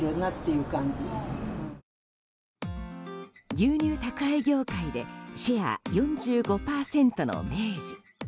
牛乳宅配業界でシェア４５％の明治。